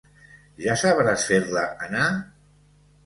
Ja sabràs fer-la anar?